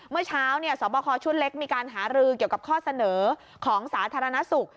เมื่อเช้าสวบคอชุดเล็กมีการหารือเกี่ยวกับข้อเสนอของสาธารณสุข